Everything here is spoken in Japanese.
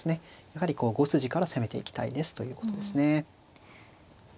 やはりこう５筋から攻めていきたいですということですね。